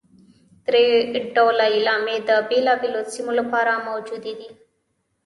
درې ډوله علامې د بېلابېلو سیمو لپاره موجودې دي.